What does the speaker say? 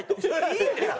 いいんですか？